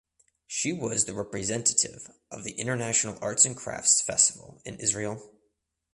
She was the representative of the International Arts and Crafts Festival in Israel.